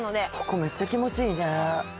ここめっちゃ気持ちいいね。